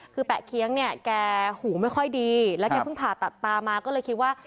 คือแปะเคี้ยงเนี่ยแกหูไม่ค่อยดีแล้วแกเพิ่งผ่าตัดตามาก็เลยคิดว่า